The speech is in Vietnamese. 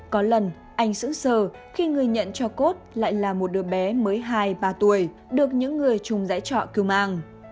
có lần anh dưỡng sờ khi người nhận cho cốt lại là một đứa bé mới hai ba tuổi được những người chung giải trọ cứu mang